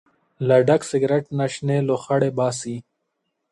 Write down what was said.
له ډک سګرټ نه شنې لوخړې باسي.